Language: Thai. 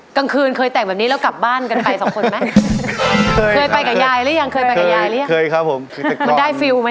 กลางคืนเคยแต่งแบบนี้แล้วกลับบ้านกันไปสองคนไหม